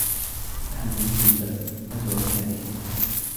نحن جيل البذل فجر الكادحين